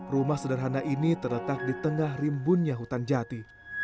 rumah sederhana ini terletak di tengah rimbunnya hutan jati